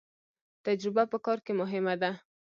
تجربه په کار کې مهمه ده